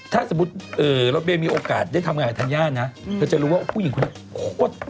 ถ้าสมมติอื้อเราไม่มีโอกาสที่คิดว่าจะดูว่าผู้หญิงคนนี้โขต